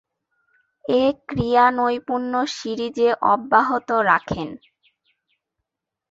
এ ক্রীড়ানৈপুণ্য সিরিজে অব্যাহত রাখেন।